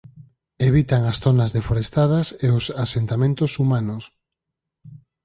Evitan as zonas deforestadas e os asentamentos humanos.